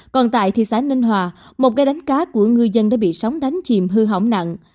còn tại thị xã ninh hòa một cây đánh cá của ngư dân đã bị sóng đánh chìm hư hỏng nặng